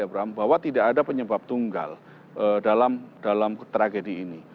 bram bahwa tidak ada penyebab tunggal dalam tragedi ini